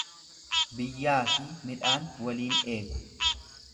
Biyyaafi midhaan waliin eegu.